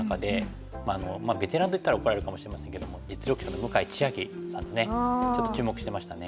まあベテランといったら怒られるかもしれませんけども実力者の向井千瑛さんですねちょっと注目してましたね。